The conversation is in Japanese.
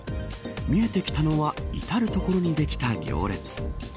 見えてきたのは至る所にできた行列。